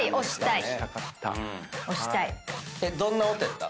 どんな音やった？